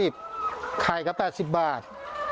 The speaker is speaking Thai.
บาทใครก็๘๐บาท